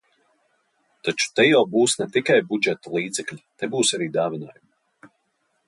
Taču te jau būs ne tikai budžeta līdzekļi, te būs arī dāvinājumi.